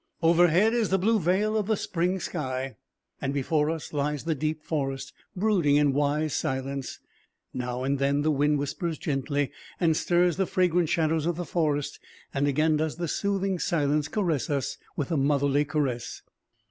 Overhead is the blue veil of the spring sky, and before us lies the deep forest, brooding in wise silence. Now and then the wind whispers gently and stirs the fragrant shadows of the forest, and again does the soothing silence caress us with a motherly caress.